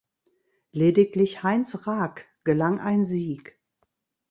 Lediglich Heinz Raack gelang ein Sieg.